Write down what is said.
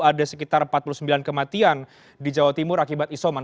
ada sekitar empat puluh sembilan kematian di jawa timur akibat isoman